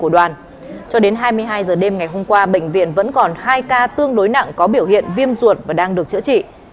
cho đến hai mươi hai h đêm ngày hôm qua bệnh viện vẫn còn hai ca tương đối nặng có biểu hiện viêm ruột và đang được chữa trị